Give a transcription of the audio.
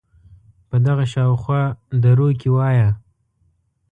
په دغه شااو خوا دروکې وایه